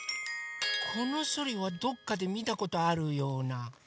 このソリはどっかでみたことあるような。